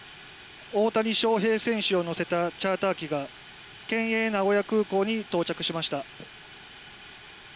大谷翔平選手を乗せたチャーター機が県営名古屋空港に到着しました。